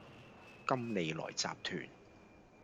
金利來集團